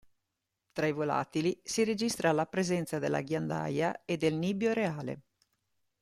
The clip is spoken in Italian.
Tra i volatili si registra la presenza della ghiandaia e del nibbio reale.